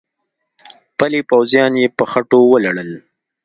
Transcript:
پلي پوځیان يې په خټو ولړل.